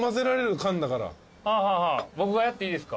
僕がやっていいですか？